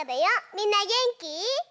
みんなげんき？